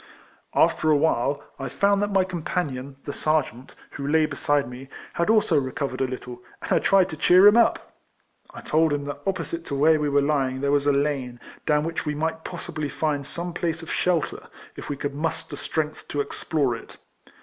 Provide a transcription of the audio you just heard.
After awhile, I found that my companion, the sergeant, who lay beside me, bad also recovered a little, and I tried to cheer him up. I told him that opposite to Avhere we were lying there was a lane, down wliic li we might possibly find soujc })lace of shelter, if we could muster strength to ex plore it.